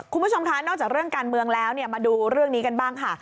คุณผู้ชมคะนอกจากเรื่องการเมืองแล้วมาดูเรื่องนี้กันบ้างค่ะ